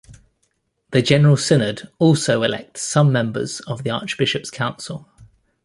The General Synod also elects some members of the Archbishops' Council.